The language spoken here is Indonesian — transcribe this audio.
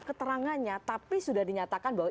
keterangannya tapi sudah dinyatakan bahwa